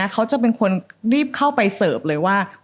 เขาจะเป็นคนรีบเข้าไปเสิร์ฟเลยว่า